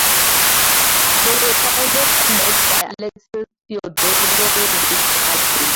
They were founded and led by Alexis Theodorovich Aladin.